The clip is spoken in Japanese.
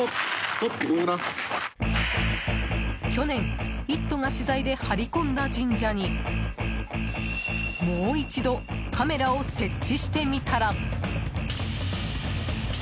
去年、「イット！」が取材で張り込んだ神社にもう一度カメラを設置してみたら。